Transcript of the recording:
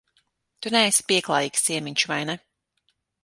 Tu neesi pieklājīgs ciemiņš, vai ne?